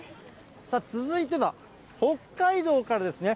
続いては、北海道からですね。